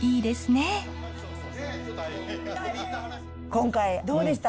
今回どうでした？